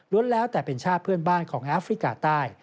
แล้วแต่เป็นชาติเพื่อนบ้านของแอฟริกาใต้